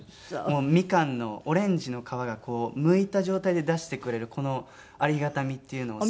もうミカンのオレンジの皮がむいた状態で出してくれるこのありがたみっていうのを。